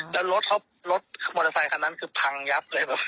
แล้วรถเขารถมอเตอร์ไซคันนั้นคือพังยับเลย